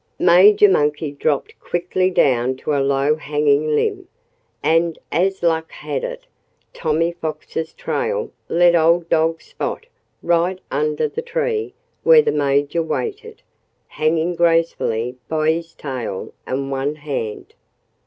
Major Monkey dropped quickly down to a low hanging limb. And as luck had it, Tommy Fox's trail led old dog Spot right under the tree where the Major waited, hanging gracefully by his tail and one hand.